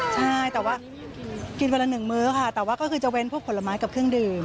ใช่แต่ว่ากินวันละหนึ่งมื้อค่ะแต่ว่าก็คือจะเว้นพวกผลไม้กับเครื่องดื่ม